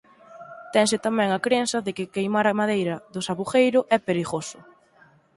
Tense tamén a crenza de que queimar a madeira do sabugueiro é perigoso.